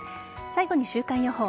最後に週間予報。